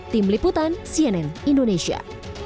tim liputan cnn indonesia